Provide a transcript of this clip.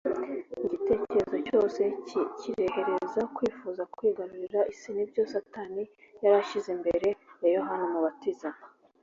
. Igitekerezo cyose kirehereza kwifuza kwigarurira isi nibyo Satani yari ashyize imbere ya Yohana Umubatiza